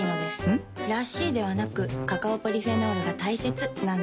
ん？らしいではなくカカオポリフェノールが大切なんです。